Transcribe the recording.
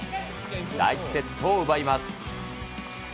第１セットを奪います。